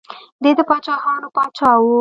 دی د پاچاهانو پاچا و.